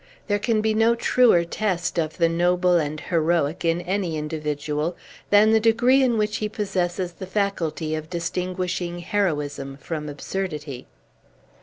There can be no truer test of the noble and heroic, in any individual, than the degree in which he possesses the faculty of distinguishing heroism from absurdity."